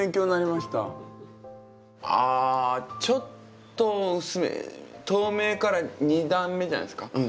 あちょっと薄め透明から２段目じゃないですか？